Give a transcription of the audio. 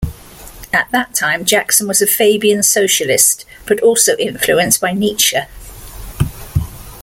At that time Jackson was a Fabian socialist, but also influenced by Nietzsche.